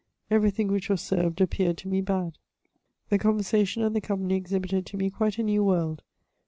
Everything which was served appeared to me bad. The conversation and the 156 MEMOIRS OF company exhibited to me quite a new world.